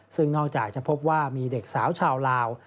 ซึ่งนอกจากจะพบว่ามีเด็กสาวชาวลาว